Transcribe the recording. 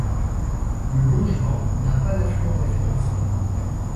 Le Longevent n'a pas d'affluent référencé.